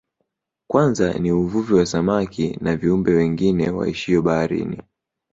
Kwanza ni uvuvi wa samaki na viumbe wengine waishio baharini